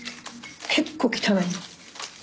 結構汚い。